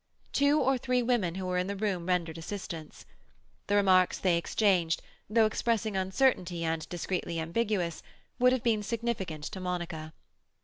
Two or three women who were in the room rendered assistance. The remarks they exchanged, though expressing uncertainty and discreetly ambiguous, would have been significant to Monica.